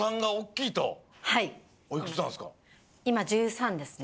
いま１３ですね。